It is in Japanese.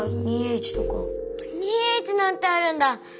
２Ｈなんてあるんだ！